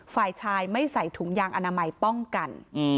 ฝ่ายชายไม่ใส่ถุงยางอนามัยป้องกัน